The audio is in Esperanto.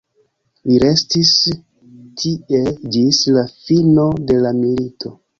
Li restis tie ĝis la fino de la milito.